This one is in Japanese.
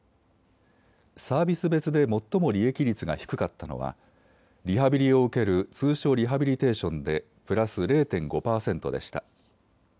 サービス別で最も利益率が低かったのはリハビリを受ける通所リハビリテーションでプラス０．５％でした。